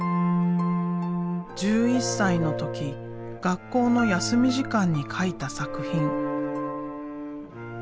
１１歳の時学校の休み時間に描いた作品。